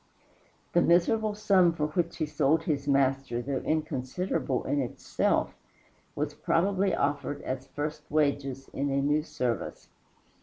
The miserable sum for which he sold his Master, though inconsiderable in itself, was probably offered as first wages in a new service.